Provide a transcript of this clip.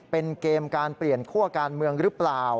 เป็นเกมการเปลี่ยนคั่วการเมืองหรือเปล่า